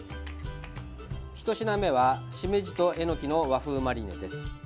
１品目は、しめじとえのきの和風マリネです。